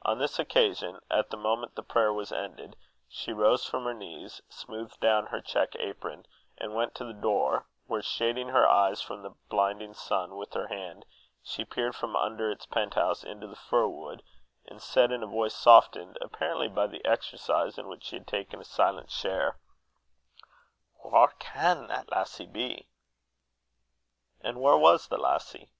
On this occasion, the moment the prayer was ended, she rose from her knees, smoothed down her check apron, and went to the door; where, shading her eyes from the sun with her hand, she peered from under its penthouse into the fir wood, and said in a voice softened apparently by the exercise in which she had taken a silent share, "Whaur can the lassie be?" And where was the lassie?